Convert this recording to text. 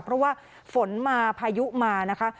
เพราะว่าฝนมาพายุมานะคะ